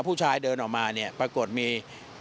ผู้ชายเดินออกมาปรากฏมี